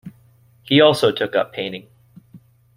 He also took up painting.